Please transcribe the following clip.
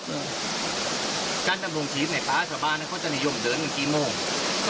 การดำรงชีพแม่ค้าชาวบ้านเขาจะนิยมเดินกันกี่โมง